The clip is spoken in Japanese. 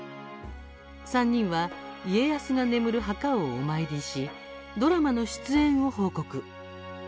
３人は家康が眠る墓をお参りしドラマの出演を報告。